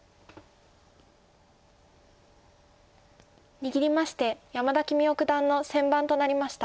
握りまして山田規三生九段の先番となりました。